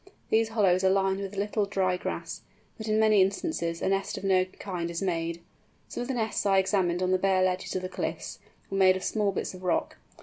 These hollows are lined with a little dry grass, but in many instances a nest of no kind is made. Some of the nests I examined on the bare ledges of the cliffs, were made of small bits of rock.